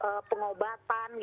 dua duanya semakin tinggi